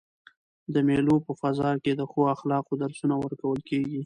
د مېلو په فضا کښي د ښو اخلاقو درسونه ورکول کیږي.